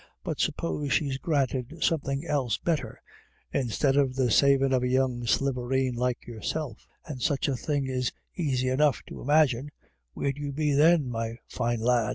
But suppose she's granted something else better, instead of the saving of a young slieveen like yourself — and such a thing is easy enough to imagine — where'd you be then, me fine lad